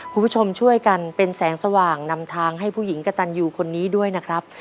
คุณผู้ชมช่วยกันเป็นแสงสว่างนำทางให้ผู้หญิงกระตันอยู่คนนี้ด้วยนะครับ